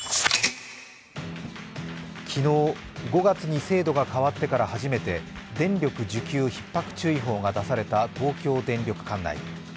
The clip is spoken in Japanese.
昨日、５月に制度が変わってから初めて電力需給ひっ迫注意報が出された東京電力管内。